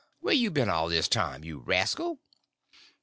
_ Where you been all this time, you rascal?"